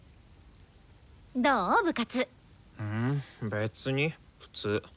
別に普通。